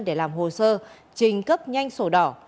để làm hồ sơ trình cấp nhanh sổ đỏ